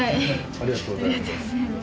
ありがとうございます。